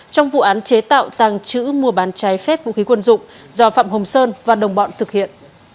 trong vụ án chế tạo tàng trữ mua bán trái phép vũ khí quân dụng do phạm hồng sơn và đồng bọn thực hiện